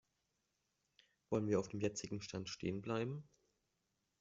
Wollen wir auf dem jetzigen Stand stehen bleiben?